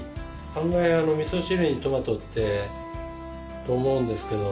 案外「みそ汁にトマト？」って思うんですけど。